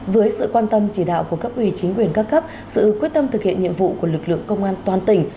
với sự quan tâm chỉ đạo của cấp ủy chính quyền các cấp sự quyết tâm thực hiện nhiệm vụ của lực lượng công an toàn tỉnh